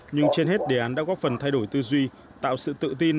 nhưng trên hết đề án đã góp phần thay đổi tư duy tạo sự tự tin